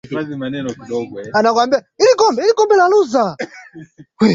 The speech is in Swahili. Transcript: Upendo wake Yesu wanishangaza